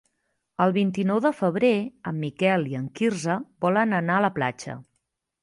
El vint-i-nou de febrer en Miquel i en Quirze volen anar a la platja.